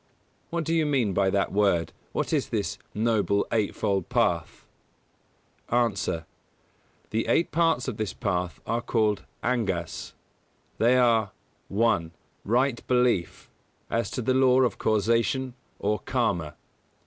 What do you mean by that word: what is this Noble Eight fold Path? (For the Pālī name see Q. 79.) A. The eight parts of this path are called angas. They are: 1. Right Belief (as to the law of Causation, or Karma); 2.